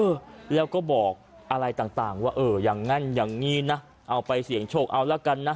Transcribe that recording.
เออแล้วก็บอกอะไรต่างต่างว่าเอ่อยังไงอย่างงี้นะเอาไปเสี่ยงฉกเอาแล้วกันนะ